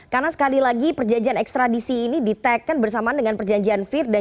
karena sekali lagi perjanjian ekstradisi ini di tag kan bersama dengan perjanjian vir dan